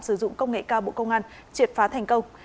sử dụng công nghệ cao bộ công an triệt phá thành công